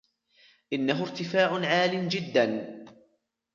انه ارتفاع عال جدا